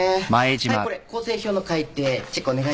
はいこれ構成表の改訂チェックお願いします。